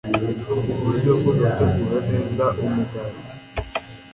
uburyo bwo gutegura neza umugati.